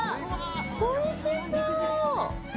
おいしそう！